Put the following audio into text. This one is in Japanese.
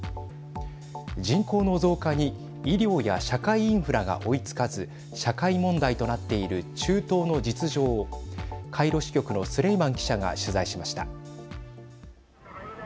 人口の増加に医療や社会インフラが追いつかず社会問題となっている中東の実情をカイロ支局のスレイマン記者が取材しました。